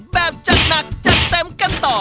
แบบจัดหนักจัดเต็มกันต่อ